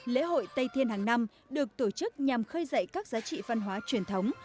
lễ hội tây thiên hàng năm được tổ chức nhằm khơi dậy các giá trị văn hóa truyền thống